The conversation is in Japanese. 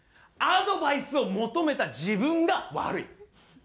アドバイスを求めた自分が悪い。